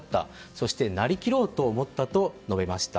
そしてなりきろうと思ったと述べました。